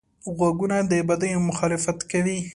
غوږونه د بدیو مخالفت کوي